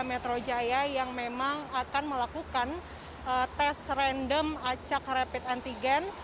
metro jaya yang memang akan melakukan tes random acak rapid antigen